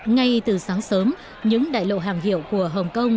ngay từ sáng sớm những đại lộ hàm hiệu của hồng kông